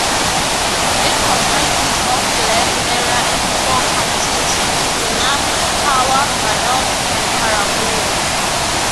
It comprises of land area in four counties: Bingham, Power, Bannock, and Caribou.